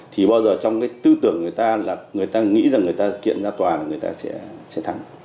thì bao giờ trong cái tư tưởng người ta là người ta nghĩ rằng người ta kiện ra tòa người ta sẽ thắng